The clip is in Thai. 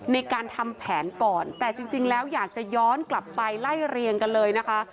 ในการทำแผนก่อนแต่จริงแล้วอยากจะย้อนกลับไปไล่เรียงกันเลยนะคะ